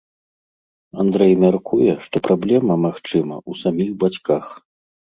Андрэй мяркуе, што праблема, магчыма, у саміх бацьках.